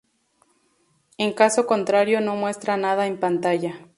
En caso contrario no muestra nada en pantalla.